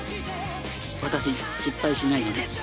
わたし失敗しないので。